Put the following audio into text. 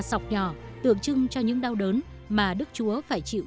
sọc nhỏ tượng trưng cho những đau đớn mà đức chúa phải chịu